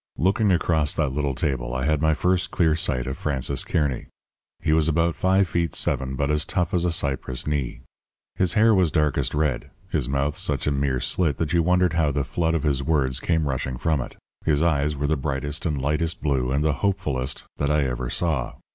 "Looking across that little table I had my first clear sight of Francis Kearny. He was about five feet seven, but as tough as a cypress knee. His hair was darkest red, his mouth such a mere slit that you wondered how the flood of his words came rushing from it. His eyes were the brightest and lightest blue and the hopefulest that I ever saw.